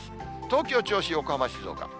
東京、銚子、横浜、静岡。